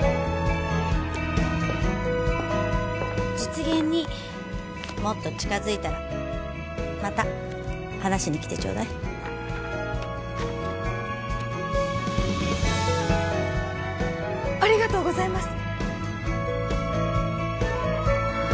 実現にもっと近づいたらまた話しに来てちょうだいありがとうございます